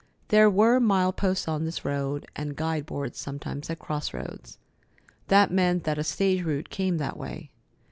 There were mile posts on this road, and guide boards sometimes at cross roads. That meant that a stage route came that way.